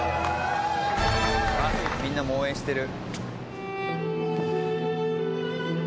「あっみんなも応援してる」